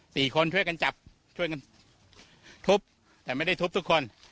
สี่คนช่วยกันจับช่วยกันทุบแต่ไม่ได้ทุบทุกคน